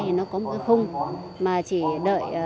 thì nó có một khung mà chỉ đợi